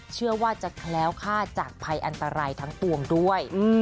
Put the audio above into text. เชื่อว่าจะแคล้วค่าจากภัยอันตรายทั้งปวงด้วย